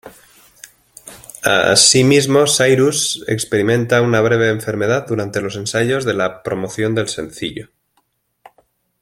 Asimismo Cyrus experimenta una breve enfermedad durante los ensayos de la promoción del sencillo.